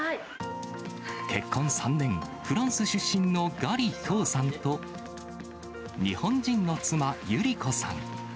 結婚３年、フランス出身のガリ・トウさんと、日本人の妻、ゆり子さん。